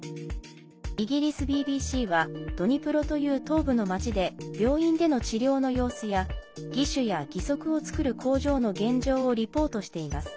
イギリスＢＢＣはドニプロという東部の町で病院での治療の様子や義手や義足を作る工場の現状をリポートしています。